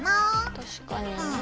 確かに。